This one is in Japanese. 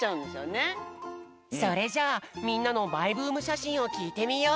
それじゃみんなのマイブームしゃしんをきいてみよう！